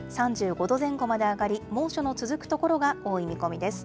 ３５度前後まで上がり、猛暑の続く所が多い見込みです。